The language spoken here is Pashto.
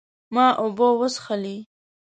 ما اوبه وڅښلې